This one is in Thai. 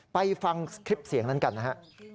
ไปฟังคลิปเสียงนั้นกันนะฮะ